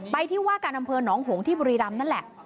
ที่ว่าการอำเภอหนองหงที่บุรีรำนั่นแหละ